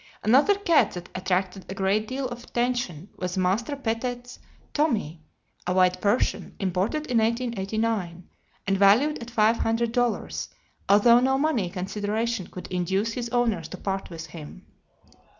Another cat that attracted a great deal of attention was Master Pettet's Tommy, a white Persian, imported in 1889 and valued at five hundred dollars, although no money consideration could induce his owners to part with him.